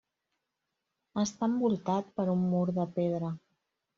Està envoltat per un mur de pedra.